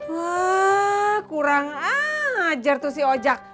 wah kurang ajar tuh si oja